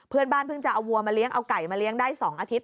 เพื่อนบ้านเพิ่งจะเอาวัวมาเลี้ยงเอาไก่มาเลี้ยงได้๒อาทิตย